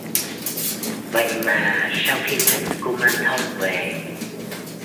Vậy mà Sau khi thỉnh kumanthông về